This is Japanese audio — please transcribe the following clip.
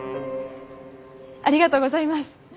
ありがとうございます。